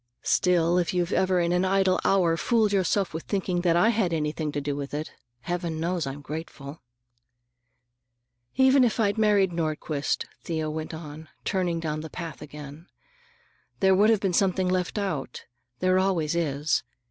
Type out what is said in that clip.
Still, if you've ever in an idle hour fooled yourself with thinking I had anything to do with it, Heaven knows I'm grateful." "Even if I'd married Nordquist," Thea went on, turning down the path again, "there would have been something left out. There always is.